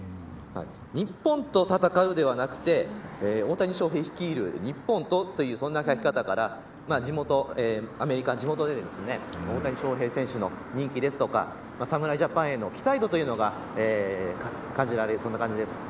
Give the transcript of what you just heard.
日本と戦う、ではなくて大谷翔平率いる日本と、とそんな書き方からアメリカ、地元で大谷翔平選手の人気ですとか侍ジャパンへの期待度が感じられる、そんな感じです。